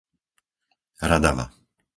Radava